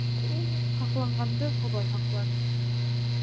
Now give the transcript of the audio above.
Һаҡланғанды Хоҙай һаҡлар.